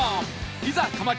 いざ鎌倉！